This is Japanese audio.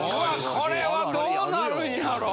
これはどうなるんやろ？